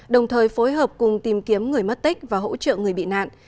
đồng thời phối hợp cùng tìm kiếm người mất tích và hỗ trợ người bị nạn